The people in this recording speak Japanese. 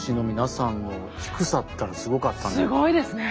すごいですね！